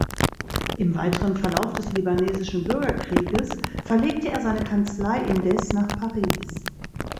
Im weiteren Verlauf des Libanesischen Bürgerkrieges verlegte er seine Kanzlei indes nach Paris.